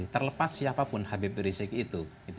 terlepas siapapun habib rizik itu